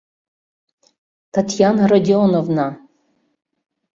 — Татьяна Родионовна!..